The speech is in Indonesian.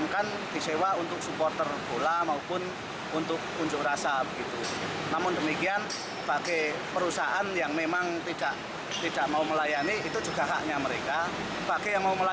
tapi kalau dilarang itu justru menurut saya jadi tambah tiga baik